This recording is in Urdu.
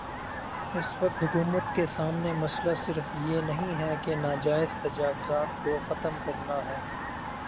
اس وقت حکومت کے سامنے مسئلہ صرف یہ نہیں ہے کہ ناجائز تجاوزات کو ختم کرنا ہے۔